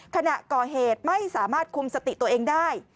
ขณะก่อเหตุไม่สามารถคุมสติตัวเองได้